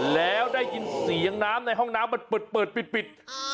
แล้วได้ยินเสียงน้ำในห้องน้ำมันเปิดปิด